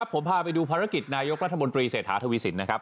ผมพาไปดูภารกิจนายกรัฐมนตรีเศรษฐาทวีสินนะครับ